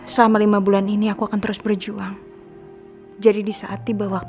sekarang udah penah acara presidente gak beraci saya